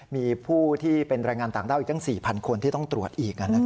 มีผู้ที่เป็นรายงานต่างเท่าอีกทั้ง๔๐๐๐คนที่ต้องตรวจอีกนั่นนะครับ